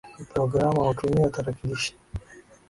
Programa hutumia tarakilishi.